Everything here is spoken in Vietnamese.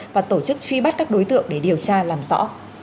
và tổ chức truy bắt các đối tượng để điều tra làm rõ